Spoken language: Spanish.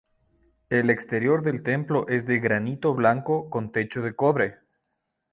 El exterior del templo es de granito blanco con techo de cobre.